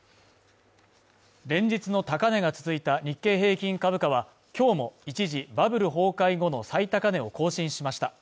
連日の高値が続いた日経平均株価は、今日も一時バブル崩壊後の最高値を更新しました。